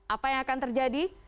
apa yang akan terjadi